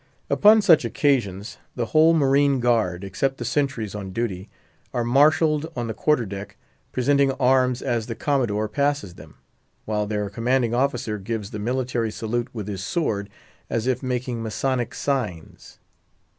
Upon such occasions, the whole marine guard, except the sentries on duty, are marshalled on the quarter deck, presenting arms as the Commodore passes them; while their commanding officer gives the military salute with his sword, as if making masonic signs.